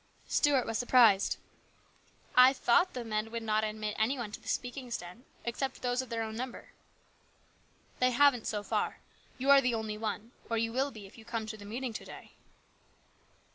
Stuart was surprised. " I thought the men would 44 HIS BROTHER'S KEEPER. not admit any one to the speaking stand except those of their own number." " They haven't so far. You are the only one ; or you will be, if you come to the meeting to day."